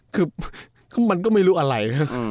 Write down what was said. คือมันก็ไม่รู้อะไร